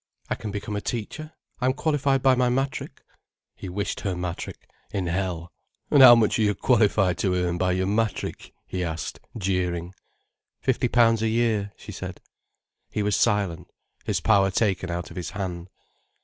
"I can become a teacher—I'm qualified by my matric." He wished her matric. in hell. "And how much are you qualified to earn by your matric.?" he asked, jeering. "Fifty pounds a year," she said. He was silent, his power taken out of his hand.